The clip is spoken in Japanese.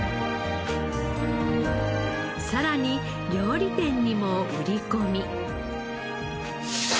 さらに料理店にも売り込み。